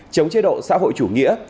chống chế độ xã hội chủ nghĩa